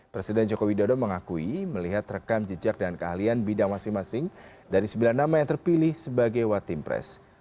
presiden jokowi dodo mengakui melihat rekam jejak dan keahlian bidang masing masing dari sembilan nama yang terpilih sebagai watim pres